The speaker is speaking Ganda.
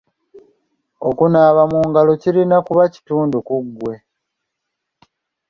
Okunaaba mu ngalo kirina kuba kitundu ku ggwe.